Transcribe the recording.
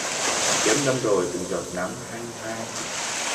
Chớm đông rồi từng giọt nắng hanh hao